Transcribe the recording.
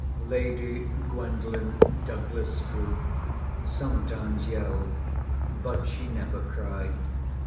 Lady Gwendolen Douglas Scroop sometimes yelled, but she never cried.